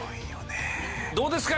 どうですか？